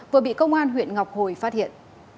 vừa bị công an huyện ngọc hồi phát hiện